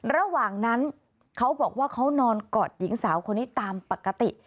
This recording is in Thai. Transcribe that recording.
ระหว่างนั้นเขาบอกว่าเขานอนกอดหญิงสาวคนนี้ตามปกติ